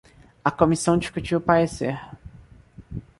A comissão discutiu o parecer